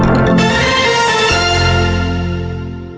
โทรแท็กซ์โทรแท็กซ์โทรแท็กซ์